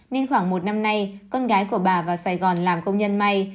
nên khoảng một năm nay con gái của bà vào sài gòn làm công nhân may